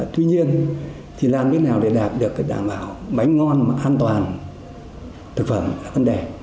tuy nhiên thì làm thế nào để đạt được cái đảm bảo bánh ngon mà an toàn thực phẩm là vấn đề